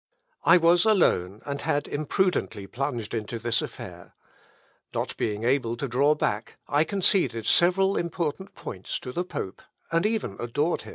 I was alone, and had imprudently plunged into this affair. Not being able to draw back, I conceded several important points to the pope, and even adored him."